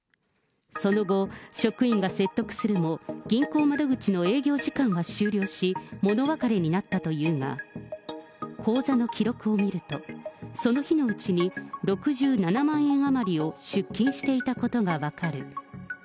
その後、職員が説得するも、銀行窓口の営業時間は終了し、もの別れになったというが、口座の記録を見ると、その日のうちに、６７万円余りを出金していたことが分かる。